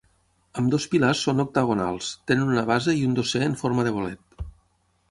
Ambdós pilars són octagonals, tenen una base i un dosser en forma de bolet.